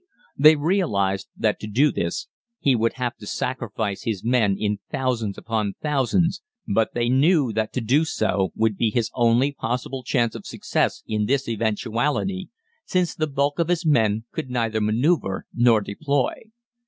"They realised that to do this he would have to sacrifice his men in thousands upon thousands, but they knew that to do so would be his only possible chance of success in this eventuality, since the bulk of his men could neither manoeuvre nor deploy.